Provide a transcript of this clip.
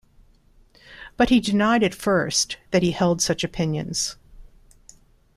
But he denied at first that he held such opinions.